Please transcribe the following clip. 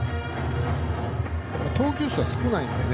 投球数は少ないのでね